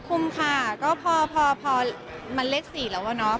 คุมค่ะก็พอมันเลข๔แล้วอะเนาะ